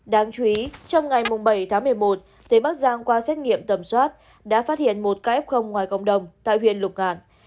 đáng chú ý trong ngày bảy tháng một mươi một tỉnh bắc giang qua xét nghiệm tầm soát đã phát hiện một ca f ngoài cộng đồng tại huyện lục ngạn